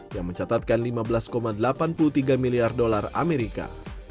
yang mencatatkan lima belas delapan puluh tiga miliar dolar amerika